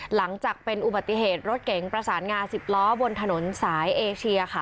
หลังจากเป็นอุบัติเหตุรถเก๋งประสานงา๑๐ล้อบนถนนสายเอเชียค่ะ